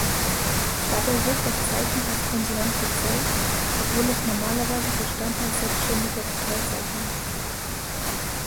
Dabei wird das Zeichen als Konsonant gezählt, obwohl es normalerweise Bestandteil selbständiger Vokalzeichen ist.